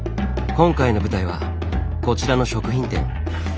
今回の舞台はこちらの食品店。